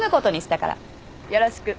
よろしく。